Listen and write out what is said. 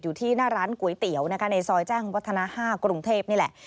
อยู่ที่หน้าร้านก๋วยเตี๋ยวนะคะในซอยแจ้งวัฒนา๕กรุงเทพนี่แหละ